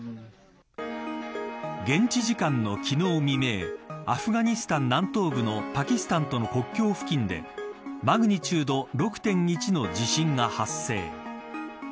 現地時間の昨日未明アフガニスタン南東部のパキスタンとの国境付近でマグニチュード６．１の地震が発生。